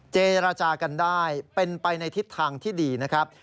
เจรจากันได้เป็นไปในทิศทางที่ดีนะครับ